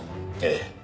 ええ。